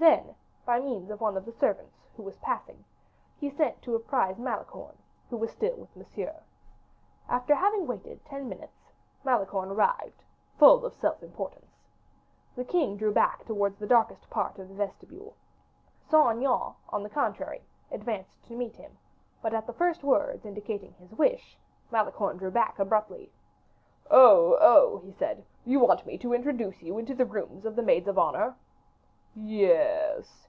Then, by means of one of the servants who was passing, he sent to apprise Malicorne, who was still with Monsieur. After having waited ten minutes, Malicorne arrived, full of self importance. The king drew back towards the darkest part of the vestibule. Saint Aignan, on the contrary, advanced to meet him, but at the first words, indicating his wish, Malicorne drew back abruptly. "Oh, oh!" he said, "you want me to introduce you into the rooms of the maids of honor?" "Yes."